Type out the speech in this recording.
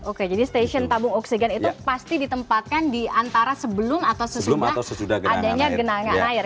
oke jadi stasiun tabung oksigen itu pasti ditempatkan di antara sebelum atau sesudah adanya genangan air